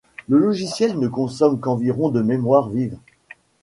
Le logiciel ne consomme qu'environ de mémoire vive.